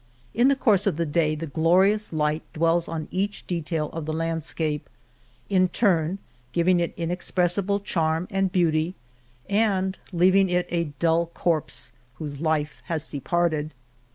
In the course of the day the glorious light dwells on each detail of the landscape, in turn giving it inexpressible charm and beauty, and leaving it a dull corpse whose life has departed.